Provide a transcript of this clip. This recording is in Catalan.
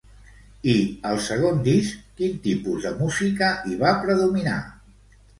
I al segon disc quin tipus de música hi va predominar?